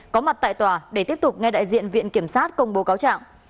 có mặt tại tòa để tiếp tục nghe đại diện viện kiểm sát công bố cáo trạng